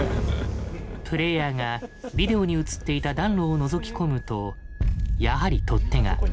プレイヤーがビデオに映っていた暖炉をのぞき込むとやはり取っ手が。